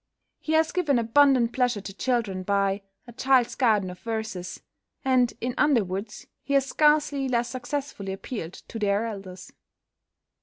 He has given abundant pleasure to children by "A Child's Garden of Verses," and in "Underwoods" he has scarcely less successfully appealed to their elders.